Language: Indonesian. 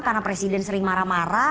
karena presiden sering marah marah